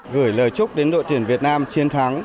gửi lời chúc đến đội tuyển việt nam chiến thắng